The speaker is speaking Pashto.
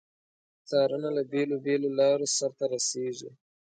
څارنه له بیلو بېلو لارو سرته رسیږي.